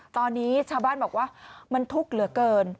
ตอนนี้ชาวบ้านบอกว่ามันทุกข์เหลือเกิน